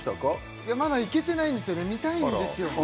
いやまだ行けてないんですよね見たいんですよ